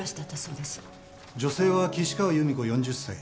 女性は岸川由美子４０歳。